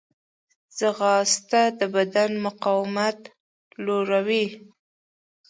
ځغاسته د بدن مقاومت لوړوي